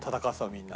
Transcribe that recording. みんな。